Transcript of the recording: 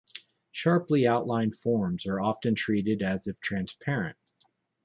Sharply outlined forms are often treated as if transparent.